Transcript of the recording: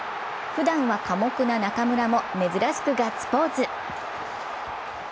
ふだんは寡黙な中村も珍しくガッツポーズ。